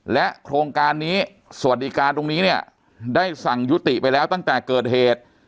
โครงการนี้สวัสดิการตรงนี้เนี่ยได้สั่งยุติไปแล้วตั้งแต่เกิดเหตุ